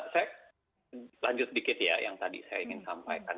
saya lanjut sedikit ya yang tadi saya ingin sampaikan